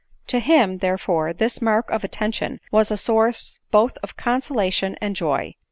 To him, therefore, this mark of attention was a source both of consolation and joy.